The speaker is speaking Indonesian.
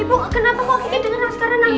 ibu kenapa kok kita denger askarana nangis